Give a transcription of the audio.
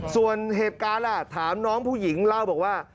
ส่วนเหตุการณ์ล่ะถามน้องผู้หญิงเล่าบอกว่า